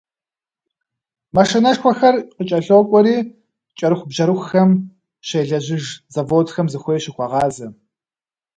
Машинэшхуэхэр къыкӏэлъокӏуэри, кӏэрыхубжьэрыхухэм щелэжьыж заводхэм зыхуей щыхуагъазэ.